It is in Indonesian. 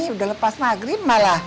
udah lepas magrib